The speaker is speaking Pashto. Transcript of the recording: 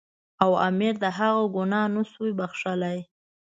او امیر د هغه ګناه نه شو بخښلای.